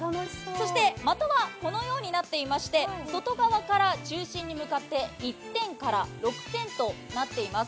そして的はこのようになっていまして、外側から中心に向かって１点から６点となってます。